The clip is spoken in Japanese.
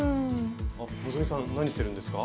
あ希さん何してるんですか？